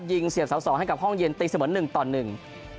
ยิงเสียบเสา๒ให้กับห้องเย็นตีเสมอ๑ตอนหนึ่ง